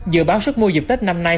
dự báo sức mua dịp tết năm nay